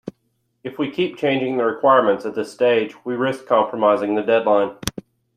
If we keep changing the requirements at this stage, we risk compromising the deadline.